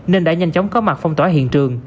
nên đã nhanh chóng có mặt phong tỏa hiện trường